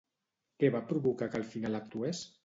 Què va provocar que al final actués?